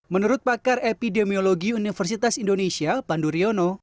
menurut pakar epidemiologi universitas indonesia panduryono